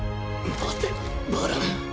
待てバラン。